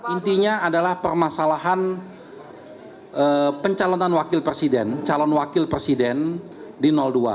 intinya adalah permasalahan pencalonan wakil presiden calon wakil presiden di dua